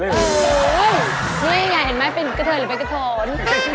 มันยังไงเห็นไหมเป็นกะเทินหรือเป็นกะโทน